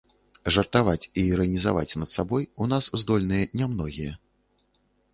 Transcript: Жартаваць і іранізаваць над сабой у нас здольныя не многія.